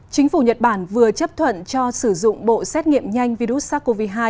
chính phủ nhật bản vừa chấp thuận cho sử dụng bộ xét nghiệm nhanh virus sars cov hai